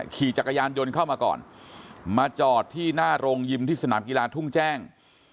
ขี่จักรยานยนต์เข้ามาก่อนมาจอดที่หน้าโรงยิมที่สนามกีฬาทุ่งแจ้ง